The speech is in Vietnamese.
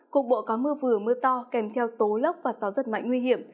cục bộ có mưa vừa mưa to kèm theo tố lốc và gió rất mạnh nguy hiểm